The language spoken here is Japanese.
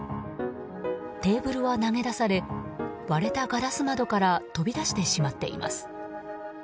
テーブルは投げ出され割れたガラス窓から飛び出してしまっています。